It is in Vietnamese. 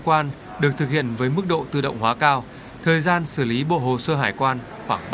quan được thực hiện với mức độ tự động hóa cao thời gian xử lý bộ hồ sơ hải quan khoảng